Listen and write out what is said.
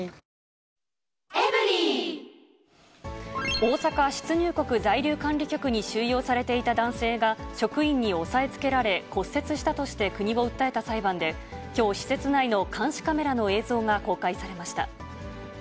大阪出入国在留管理局に収容されていた男性が職員に押さえつけられ、骨折したとして、国を訴えた裁判で、きょう、施設内の監視カメラの映像が公開されました。